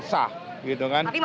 sah gitu kan